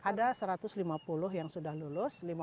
ada satu ratus lima puluh yang sudah lulus